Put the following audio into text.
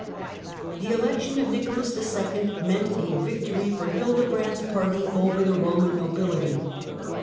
The election of Nicholas II. meant a victory for Hilde brand's party over the Roman nobility.